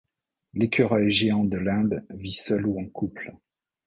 L'Écureuil géant de l'Inde vit seul ou en couple.